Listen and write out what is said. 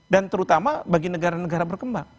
dan terutama bagi negara negara berkembang